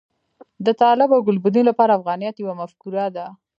د طالب او ګلبدین لپاره افغانیت یوه مفکوره ده.